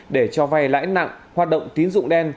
để cho vay lãi nặng hoạt động tín dụng đen